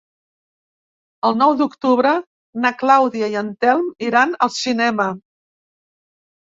El nou d'octubre na Clàudia i en Telm iran al cinema.